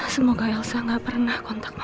semoga elsa gak pernah kontak mama